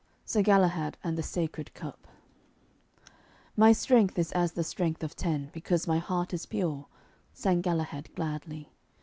SIR GALAHAD AND THE SACRED CUP 'My strength is as the strength of ten, Because my heart is pure,' sang Galahad gladly.